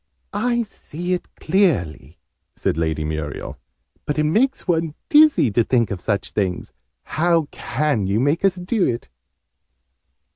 "I see it clearly," said Lady Muriel. "But it makes one dizzy to think of such things! How can you make us do it?"